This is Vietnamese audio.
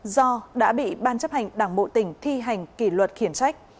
do đã bị ban chấp hành đảng bộ tỉnh thi hành kỷ luật khiển trách